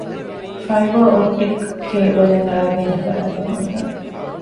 ފައިބަރ އޮޕްޓިކް ކޭބަލެއް އަޅައިދޭނެ ފަރާތެއް ހޯދަން